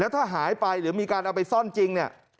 ถ้าหายไปหรือมีการเอาไปส้อนจริง